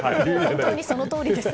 本当にそのとおりです。